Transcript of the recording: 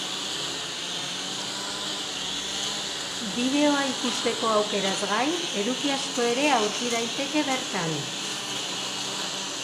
Bideoa ikusteko aukeraz gain, eduki asko ere aurki daiteke bertan.